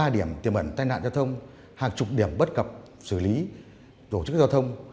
hai mươi ba điểm tiềm ẩn tai nạn giao thông hàng chục điểm bắt cập xử lý tổ chức giao thông